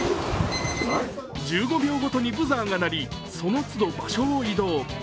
１５秒ごとにブザーが鳴り、その都度場所を移動。